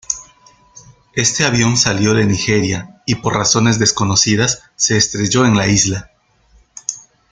Este avión salió de Nigeria y por razones desconocidas se estrelló en la isla.